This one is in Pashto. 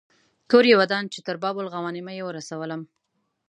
کور یې ودان چې تر باب الغوانمه یې ورسولم.